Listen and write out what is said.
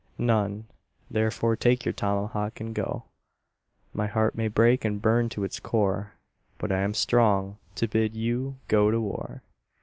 None therefore take your tomahawk and go. My heart may break and burn into its core, But I am strong to bid you go to war.